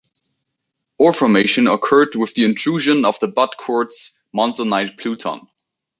Ore formation occurred with the intrusion of the Butte quartz monzonite pluton.